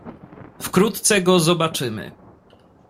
"Wkrótce go zobaczymy."